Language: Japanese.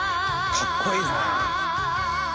「かっこいいな！」